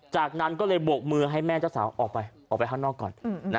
จากนั้นก็เลยบวกมือให้แม่เจ้าสาวออกไปออกไปข้างนอกก่อน